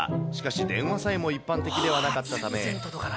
しかし電話さえも一般的ではなかったため。